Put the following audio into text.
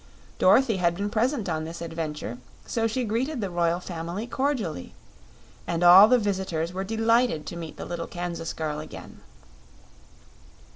Dorothy had been present on this adventure, so she greeted the royal family cordially; and all the visitors were delighted to meet the little Kansas girl again.